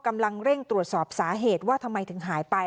กำลังเร่งตรวจสอบสาเหตุว่าทำไมถึงหายไป